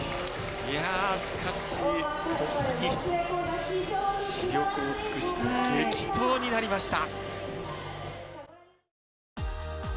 しかし、死力を尽くした激闘になりました。